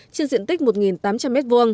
trên diện tích một tám trăm linh m hai